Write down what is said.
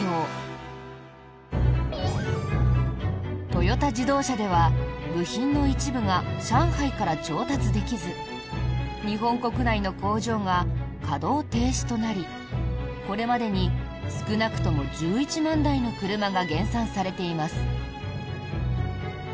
トヨタ自動車では部品の一部が上海から調達できず日本国内の工場が稼働停止となりこれまでに少なくとも１１万台の車が減産されています。